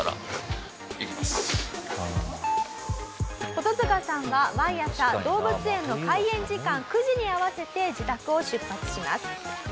コトヅカさんは毎朝動物園の開園時間９時に合わせて自宅を出発します。